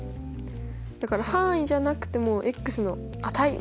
だから範囲じゃなくてもうの値みたいな。